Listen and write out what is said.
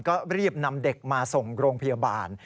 ก็รีบนำเด็กมาส่งโรงพยาบาล